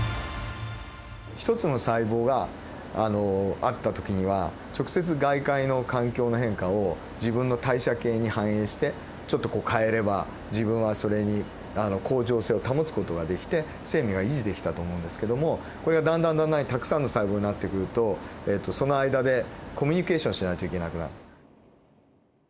一つの細胞があった時には直接外界の環境の変化を自分の代謝系に反映してちょっとこう変えれば自分はそれに恒常性を保つ事ができて生命が維持できたと思うんですけどもこれがだんだんだんだんにたくさんの細胞になってくるとその間でコミュニケーションしないといけなくなる。